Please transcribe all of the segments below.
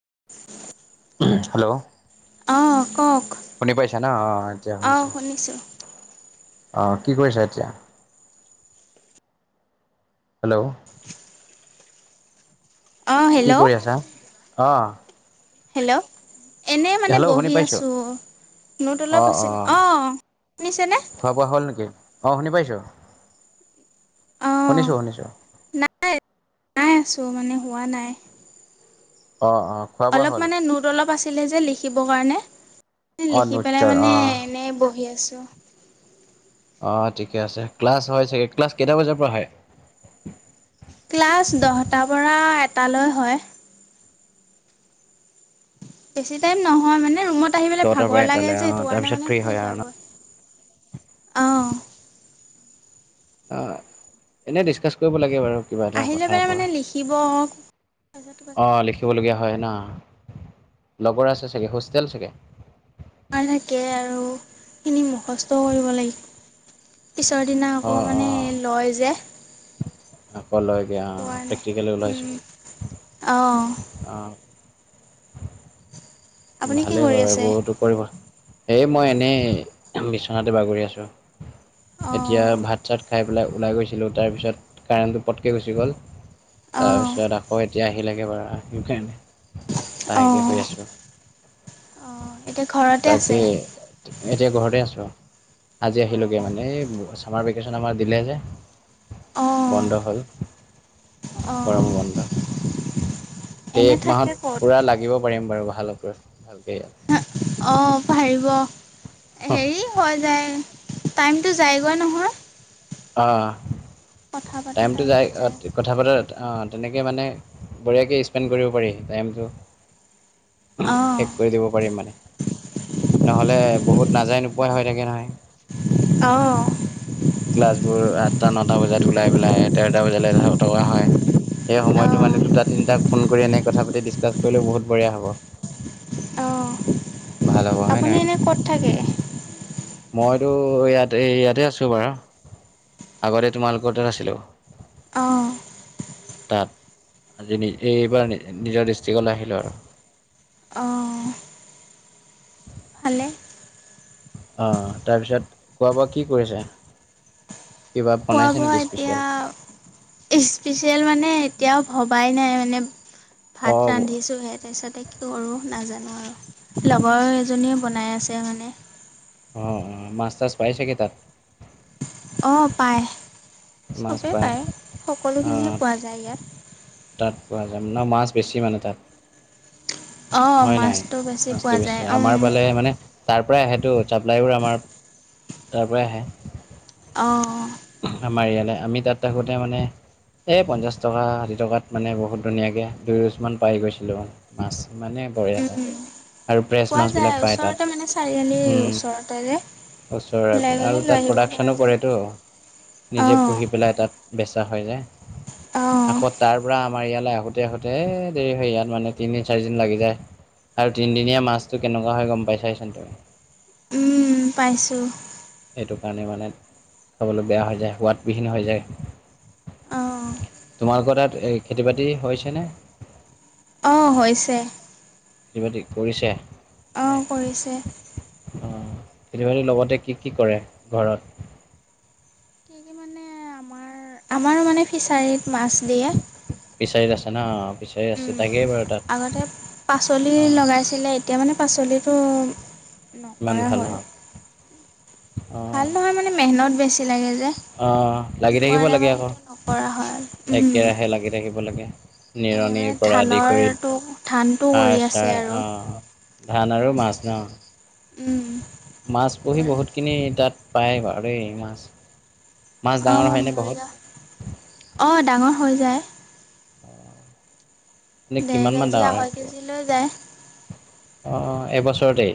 [unintelligible] Hello. অহ', কওঁক। শুনি পইচা ন অ', - অ', এতিয়া হৈছে। শুনিছোঁ আহ, কি কৰিছা এতিয়া? হেল্ল', অ, কি হেল্ল', কৰি আছা অ', হেল্ল', এনে মানে হেল্ল' শুনি বহি পাইছোঁ আছো। নোত অ অলপ অ আছিলে, অ', শুনিছেনে? খোৱা বোৱা হ'ল নেকি অ', শুনি পাইছো, অঁ শুনিছো, শুনিছো। তো মানে হোৱা নাই। অ অ খোৱা বোৱা অলপ হ'ল মানে নোত অলপ আছ দিলে যে লিখিব কাৰণে, অ লিখি পেলাই নিশ্চয় অ মানে এনেই বহি আছোঁ। অ', ঠিকে আছে, ক্লাছ হয় চাগে, ক্লাছ কেইটা বজাৰ পৰা হয়? ক্লাছ দহটাৰ পৰা এটালৈ হয়। বেছি টাইম নহয় মানে এ ৰুমত আহি পেলাই দহটাৰ পৰা ভাগৰ লাগে যে, এটালৈ অ সেইটোকাৰণে তাৰপিছত মানে ফ্ৰী শুই হয় আৰু ন যাওঁগৈ। অ'। অ', এনেই ডিছকাচ কৰিব লাগে বাৰু। কিবা এটা আহি লৈ কথা পেলাই কোৱা, মানে লিখিব তাৰপিছত অ' লিখ কিবলগীয়া হয় ন, লগৰ আছে চাগে, হোষ্টেল চাগে। মাৰ থাকে আৰু, সেইখিনি মুখস্থও কৰিব লাগ পিছৰ দিনা অ আকৌ অ মানে লয় যে [unintelligible] সেইটো কাৰণে প্ৰেক্টিকেললৈ ওলাইছো। উম অঁ অ', আপুনি কি ভালেই কৰি বাৰু, আছে এইবোৰটো কৰিব এই মই এনেই, বিচনাতে বাগৰি আছোঁ, এতিয়া অঁ ভাত চাত খাই ওলাই-ওলাই গৈছিলোঁ, তাৰপিছত কাৰেণ্টটো পটকে গুচি গ'ল, অঁ তাৰপিছত আকৌ এতিয়া আ [unintelligible] অঁ শুই আছোঁ। অঁ এতিয়া ঘৰতে আছে তাকে, এতিয়া ঘৰতে আছো। আজি আহিলোগে অঁ মানে, এই চামাৰ ভেকেচন আমাৰ দিলে যে। অঁ বন্ধ হ'ল, অঁ গৰমৰ বন্ধ। এই এনে এক মাহত থাকে ক'ত পুৰা লাগিব পাৰিম বাৰু ভালকৈ। ইয়াত অ', পাৰিব, হেৰি হৈ যায় টাইমটো যায়গৈ নহয়। অ', কথা পতা টাইমটো যাই, যায় কথা পতা অ' তেনেকে মানে, বঢ়িয়াকৈ স্পেণ্ড কৰিব পাৰি টাইমটো। অঁ শেষ কৰি দিব পাৰিম মানে, নহ'লে বহুত নাজায় নোপ ভয় হৈ থাকে নহয় অ'। ক্লাছবোৰ আঠটা, নটা বজাত ওলাই পেলাই তেৰটা বজালৈ [unintelligible] হয়। এই অঁ সময়টো মানে দুটা, তিনিটাক ফোন কৰি এনে কথা পাতি ডিচকাছ কৰিলেও বহুত বঢ়িয়া হ'ব। অঁ ভাল হ'ব হয় আপুনি নাই এনে ক'ত থাকে মই টো ইয়াতে-ইয়াতে আছো বাৰু। আগতে তোমালোকৰ তাত আছিলো অঁ তাত। আজি এইবাৰ নিজৰ ডিষ্ট্ৰিকলৈ আহিলোঁ আৰু। [inaudible] অঁ ভালে। আহ, তাৰপিছত খোৱা বোৱা কি কৰিছা? কিবা বনাইছে খোৱা-বোৱা নেকি স্পেচিয়েল? এতিয়া স্পেচিয়েল মানে এতিয়াও ভবাই নাই মানে ভাত অঁ অঁ ৰান্ধিছোঁহে তাৰপিছতে কি কৰোঁ নাজানো লগৰ এজনীয়ে বনাই আছে মানে অ' অ' মাছ তাছ পাই চাগৈ তাত অ', পায় চবেই পায় সকলোখিনিয়ে অঁ পোৱা যায় ইয়াত তাত পোৱা যায় ন মাছ বেছি মানে তাত অঁ হয় নাই মাছটো বেছি মাছটো পোৱা বেছি যায় উম আমাৰ ফালে মানে তাৰ পৰাই আহেটো ছাপ্লাইো আমাৰ তাৰ পৰাই আহে অঁ। আমাৰ য়ালৈ আমি তাত থাকোঁতে মানে এই পঞ্চাছ টকা ষাঠি টকাত মানে বহুত ধুনীয়াকে দুই ৰোজমান পাই গৈছিলোঁ মানে। পাছ মানে বৰিয়া উম পোৱা যায় আ, ওচৰতে মানে চাৰিআলিৰ ওচৰতে যে। ওলাই ওচৰৰে গ'লে আৰু লৈ তাত আহিব পৰা প্ৰডাচনো যায় কৰেতো নিজে অঁ পুহি পেলাই তাত বেচা হৈ যায়। অঁ আকৌ তাৰ পুৰা আমাৰ ইয়ালৈ আহোতে আহোঁতে দেৰি হৈ ইয়াত মানে তিনদিন চাৰিদিন লাগি যায় আৰু তিনিদিনীয়া মাছতটো কেনেকুৱা হয় গম পাইচাই চোন তুমি। উম পাইছো। সেইটো কাৰণে মানে খাবলৈ বেয়া হৈ যায় সোৱাদবিহীন হৈ যায় অঁ তোমালোকৰ তাত এ খেতি বাতি হৈছে নে অঁ, হৈছে। খেতি বাতি কৰিছে নে অ', কৰিছে অঁ, খেতি বাতিৰ লগতে কি কি কৰে ঘৰত? আমাৰো মানে ফিছাৰীত মাছ দিয়ে ফিচাৰত আছে ন ফিচাৰী আছে। থাকেই বাৰু তাত আগতে পাচলি অঁ লগাইছিলে এতিয়া মানে পাচলিটো ইমান নকৰা ভাল হ'ল। নহয় ভাল অঁ নহয় মানে মেহনত বেছি লাগে অঁ লাগি সেইটো থাকিব কাৰণে লাগে মানে আকৌ সেইটো নকৰা হয় একেৰাহে লাগি থাকিব লাগে এনে নিৰনিৰ মানে পৰা আদি কৰি, ধানৰটো ধানটো কৰি তাৰ আছে চাৰ আৰু অঁ। ধান আৰু মাছ ন? উম মাছ পুহি বহুতখিনি তাত পায় বাৰু দে মাছ মাছ ডাঙৰ হয়নে বহুত [unintelligible] অঁ ডাঙৰ হৈ যায়। অ' এনেই ডেৰ কিমান মান কেজি ডাঙৰ আঢ়ৈ এইটো কেজি লৈ যায় অ' এবছৰতেই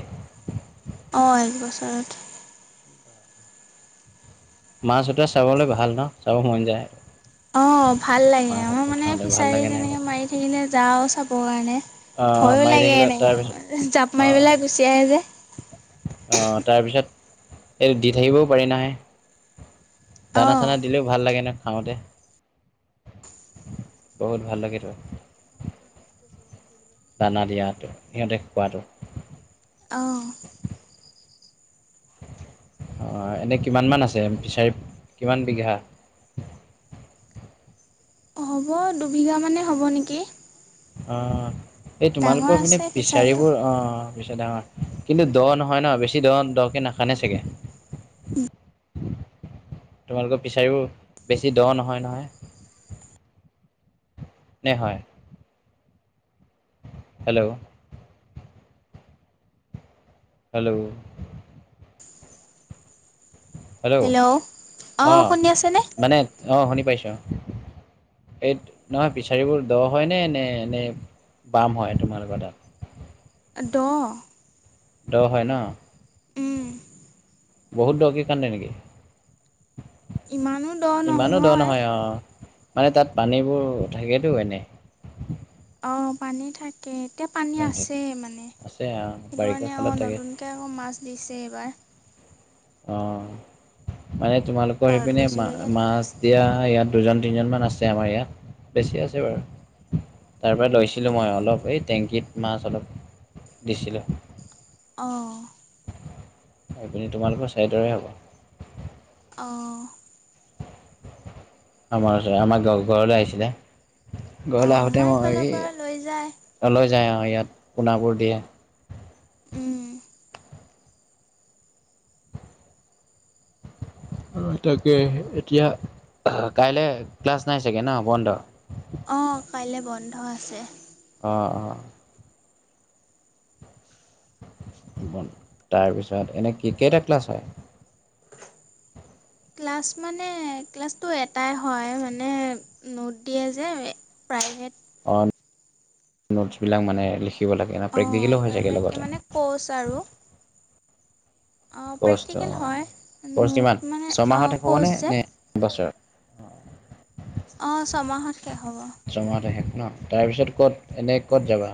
অঁ এক বছৰত মাছ উতৱা চাবলে ভাল ন? চাবলে মন যায়। অঁ, ভাল লাগে মাছ আমাৰ মানে উঠাওঁতে ভাল ফিচাৰী লাগে নাই এনেকে বাৰু মাৰি থাকিলে যাওঁ চাবৰ কাৰণে। অ' ভয়ো মাৰি লাগে থাকিলে তাৰপিছত এনেকে জাপ মাৰি অ' পেলাই গুচি আহে যে অ' তাৰপিছত এইটো দি থাকিবও পাৰি নাহে দানা অঁ চানা দিলেও ভাল লাগে নহ। খাওঁ দে বহুত ভাল লাগে ত দানা দিয়াটো সিহঁতে খোৱাটো। অহ এনে কিমান মান আছে, ফিচাৰি কিমান বিঘা? [unintelligible] হ দুবিঘা মানে হ'ব নেকি। অ' এই ডাঙৰ তোমালোকৰ পিনে আছে ফিচাৰীটো পিছাৰিবোৰ অ' পিছাৰ ডাঙৰ কিন্তু দ নহয় ন বেছি দ দকে নখানে চাগে তোমালোকৰ ফিচাৰিবোৰ বেছি দ নহয় নহয়? নে হয়? হেল্ল', হেল্ল' হেল্ল', অঁ আহ শুনি আছেনে মানে আহ শুনি পাইছো। এইত নহয় ফিচাৰীবোৰ দ হয় নে? নে এনেই? বাম হয় তোমালোকৰ তাত। দহ দ হয় ন বহুত দৰকে কান্দে নেকি? ইমানো দ ইমানো দৰ নহয় অহ, মানে তাত পানীবোৰ থাকেতো এনে অঁ, পানী থাকে। এতিয়া পানী আছেই মানে। আছে অঁ সেইটো বাৰিষা কাৰণে কালত আকৌ থাকে নতুনকৈ আকৌ মাছ দিছে এইবাৰ। অ, মানে তোমালোকৰ ঘৰত সেইপিনে মা গৈছিলোঁ যে তেতিয়া মাছ দিয়া ইয়াত দুজন তিনিজনমান আছে আমাৰ ইয়াত বেছি আছে বাৰু তাৰ পৰা লৈছিলো মই অলপ এই টেংকিত মাছ অলপ দিছিলো। অ'। এইপিননি তোমালোকৰ চাই দৰে হ'ব। অহ। আমাৰ ওচৰত আমাৰ ঘৰলৈ আহিছিলে। অঁ গৈলে আহোতে আমাৰ মই এইফালৰ পৰা লৈ যায় এই লৈ যাই আৰু আ ইয়াত কোণাবোৰ দিয়ে। উম, তাকে এতিয়া কাইলে ক্লাছ নাই চাগে ন বন্ধ অঁ কাইলৈ বন্ধ আছে। অ', - অ', তাৰপিছত এনে ক্ৰিকেটা ক্লাছ হয়। ক্লাছ মানে ক্লাছটো অ, নোটছ বিলাক মানে লিখি- কি'ব লাগে না প্ৰেক্টিকেলো অঁ হৈ থাকে প্ৰাইভেটকৈ লগতে। মানে ক'ৰ্চ আৰু অঁ কৰ্চত। প্ৰেক্টিকেল হয় কৰ্চ নোট কিমান? মানে অঁ ছমাহত শেষ ক'ৰ্চ হ'বনে নে? যে নে এবছৰ? অ', অ, ছমাহত শেষ হ'ব জমা তাহেষ ন তাৰপিছত ক'ত এনে ক'ত যাবা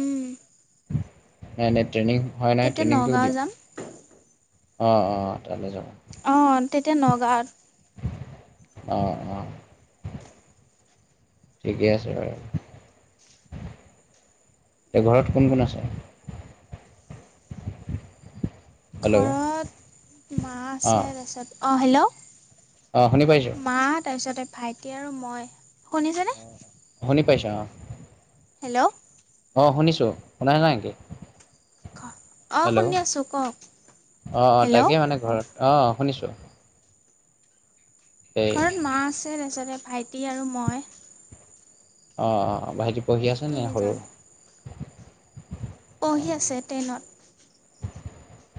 উম, নাই-নাই ট্ৰেইনিং হোৱা নাই। ট্ৰেইনিংটোও নগাঁও দিম। যাম অ', অ', তালৈ যাব। অ, তেতিয়া নগাৱত। অহ - অহ। ঠিকে আছে বাৰু। এ ঘৰত কোন - কোন আছে। [unintelligible] ঘৰত মা আছে অঁ তাৰপিছত অ, অঁ শুনি হেল্ল', পাইছোঁ মা তাৰপিছতে ভাইটি আৰু মই শুনিছনে হনি পাইছ। হেল্ল', অ, শুনিছো। শুনা নাই নেকি? অঁ হেল্ল' শুনি অ', আছোঁ কওক অ', হেল্ল' লতাকে মানে ঘৰত অ, শুনিছো। ঘৰত মা আছে তাৰপিছতে ভাইটি আৰু মই অ- অ ভাইটি পঢ়ি আছেনে সৰু তিনিজন পঢ়ি আছে তেনত।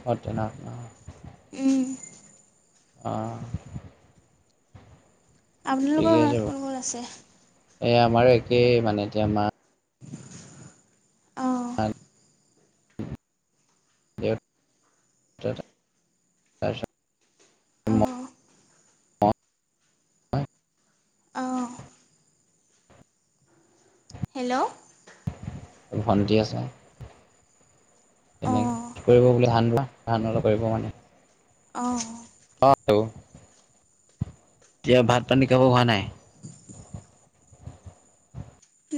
অ', তেনত ন? উম, অ', আপোনালোকৰ ঘৰত বাৰু কোন কোন আছে? এই আমাৰো একেই মানে এতিয়া মা অ', [inaudible] অঁ অ', অ', হেল্ল' ভণ্টি আছে তেনে অঁ কৰিব বুলি হাল্লা। ধান অলত কৰিব মানে অঁ অ', এতিয়া ভাত পানী খাব হোৱা নাই?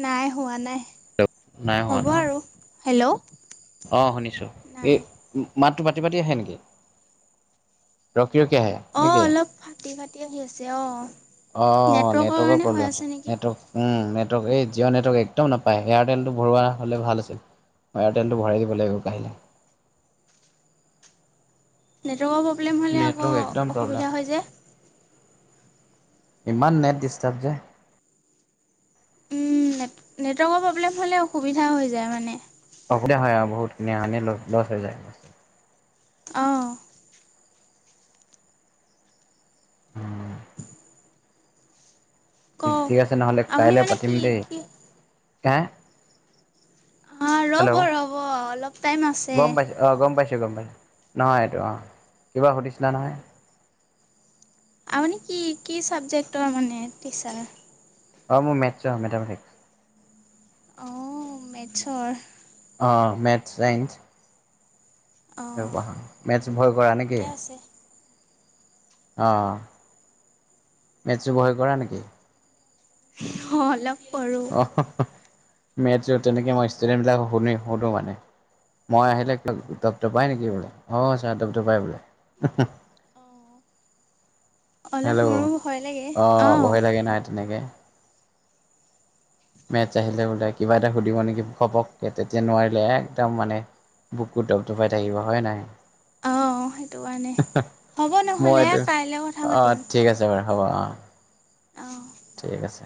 নাই হোৱা নাই হ'ব আৰু হেল্ল'। অ', শুনিছো এই নাই মাতটো পাতি পাতি আহে নেকি? ৰখি আহে অ', নেকি? অলপ ফাটি ফাটি আহি আছে অ', অ', নেটৱৰ্কৰ প্ৰব্লেম হৈছে নেটৱৰ্ক উম, নেটৱৰ্ক এই জিঅ' নেটৱৰ্ক একদম নাপায় এয়াৰটেলটো ভৰোৱা হলে ভাল আছিল। এয়াৰটেলটো ভৰাই দিব লাগিব কাহিলে। নেটৱৰ্কৰ প্ৰব্লেম হ'লে আকৌ নেটৱৰ্ক একদম প্ৰব্লেম। অসুবিধা হৈ যে ইমান নেট ডিষ্টষ্টাৰ্ব যে। উম, নে নেটৱৰ্কৰ প্ৰব্লেম হ'লে অসুবিধা হৈ যায় মানে। অসুবিধা হয় আৰু বহুতখিনি আনিলোঁ দচ হেজাৰ। অ', উম, কওক ঠিক আছে নহলে আপুনি কাইলে মানে পাতিম কি দেই কি হে অ', ৰ'ব হেল্ল' ৰ'ব অলপ টাইম আছে। গম পাইছোঁ অ গম পাইছোঁ নহয় এইটো অ', কিবা সুধিছিলা নহয়। আপুনি কি কি চাবজেক্টৰ মানে টিচাৰ? অ', মোৰ মেথছ মেথামেটিক্স। অ', মেথছৰ। অ', মেথছ চাইন্ঞ্চ। অঁ মেথছ ভয় কৰা নেকি? ঠিকে আছে অ', মেথছটো ভয় কৰা নেকি? অ', হেল্ল' অ', হ হ মেথচ তেনেকে মই ষ্টুডেন্ট বিলাকক শুনি সুধো মানে। মই আহিলে ধপধপাই নেকি বাৰু অ', চাৰ ধপধপাই বোলে। অলপ হেল্ল' মোৰো ভয় লাগে অ', অঁ ভয় লাগে না তেনেকে। মেথচ আহিলে বোলে কিবা এটা সুধিব নেকি। ঘপককে তেতিয়া নোৱাৰিলে একদম মানে বুকো দপঢপাই থাকিব হয় নাই? অঁ সেইটো কাৰণে হ'ব নহ'লে মইতো কাইলৈ কথা অ', পাতিম ঠিক আছে বাৰু। হ'ব অ', অঁ ঠিক আছে।